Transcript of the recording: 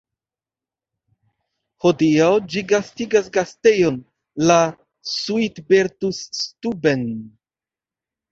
Hodiaŭ ĝi gastigas gastejon, la „Suitbertus-Stuben".